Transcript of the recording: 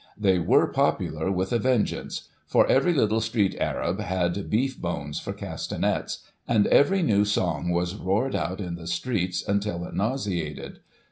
They were popular, with a vengeance — for every little street arab had beef bones for castanets, and every new song was roared out in the streets tmtil it nauseated.